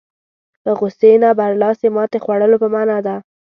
په غوسې نه برلاسي ماتې خوړلو په معنا ده.